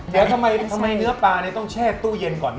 เดี๋ยวทำไมเนื้อปลาต้องแช่ตู้เย็นก่อน